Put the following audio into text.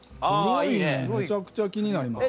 めちゃくちゃ気になりますね。